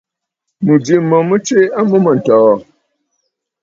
Mɨ̀jɨ̂ mo mɨ tswe a mûm àntɔ̀ɔ̀.